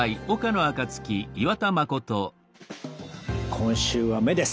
今週は「目」です。